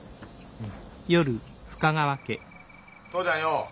うん。